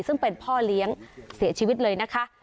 ซึ่งเป็นพ่อเลี้ยงเสียชีวิตเลยนะคะ